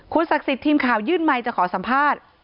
ศักดิ์สิทธิ์ทีมข่าวยื่นไมค์จะขอสัมภาษณ์